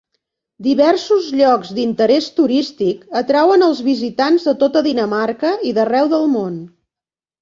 Diversos llocs d'interès turístic atrauen els visitants de tota Dinamarca i d'arreu del món.